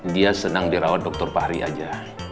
dia senang dirawat dr fahri aja